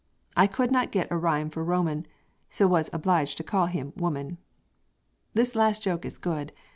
I could not get a rhyme for Roman, So was obliged to call him woman. This last joke is good.